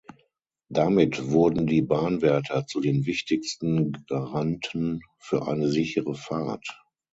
Damit wurden die Bahnwärter zu den wichtigsten Garanten für eine sichere Fahrt.